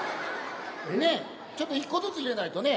ねえちょっと１個ずつ入れないとね